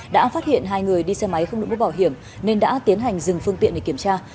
đã phát hiện hai người đi xe máy không được b bảo hiểm nên đã tiến hành dừng phương tiện để kiểm tra